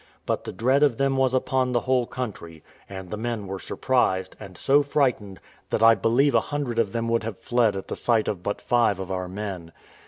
But the dread of them was upon the whole country; and the men were surprised, and so frightened, that I believe a hundred of them would have fled at the sight of but five of our men.